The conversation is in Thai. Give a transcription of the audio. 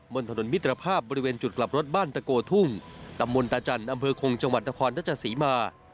นถนนมิตรภาพบริเวณจุดกลับรถบ้านตะโกทุ่มตำบลตาจันทร์อำเภอคงจังหวัดนครรัชศรีมา